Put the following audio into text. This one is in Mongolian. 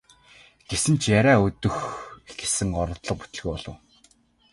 Гэсэн ч яриа өдөх гэсэн оролдлого бүтэлгүй болов.